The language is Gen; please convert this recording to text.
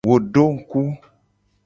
Wo do ngku.